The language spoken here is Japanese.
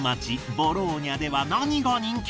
ボローニャでは何が人気？